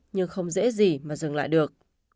nhưng không dễ gì mà dừng lại được